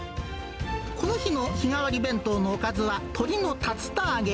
この日の日替わり弁当のおかずは鶏の竜田揚げ。